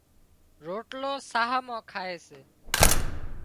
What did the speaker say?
روٽلو ساهَه مان کائي سي